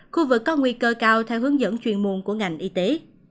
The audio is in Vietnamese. khu vực có nguy cơ cao theo hướng dẫn chuyên môn của ngành y tế